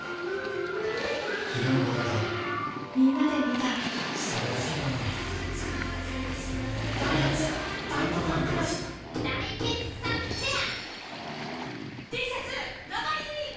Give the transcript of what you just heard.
陽が昇ったみんなで観たそれだけなのにダイハツ「タントファンクロス」大決算フェア